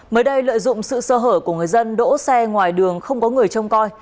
mới đây lợi dụng sự sơ hở của người dân đỗ xe ngoài đường không có người trông coi